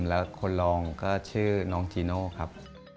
แล้วคนรองก็ชื่อน้องจีโน่ครับ